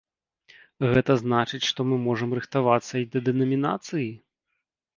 Гэта значыць, што мы можам рыхтавацца і да дэнамінацыі?